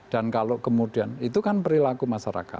dan kalau kemudian itu kan perilaku masyarakat